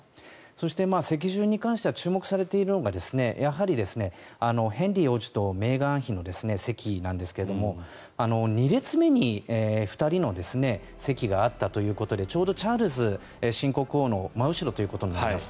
そして、席順に関しては注目されているのがやはりヘンリー王子とメーガン妃の席なんですが２列目に２人の席があったということでちょうどチャールズ新国王の真後ろということになります。